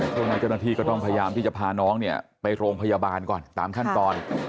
ช่วงนี้เจ้าหน้าที่ก็ต้องพยายามที่จะพาน้องเนี่ยไปโรงพยาบาลก่อนตามขั้นตอน